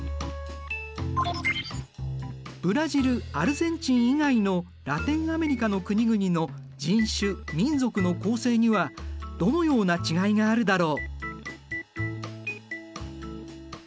ブラジルアルゼンチン以外のラテンアメリカの国々の人種・民族の構成にはどのような違いがあるだろう？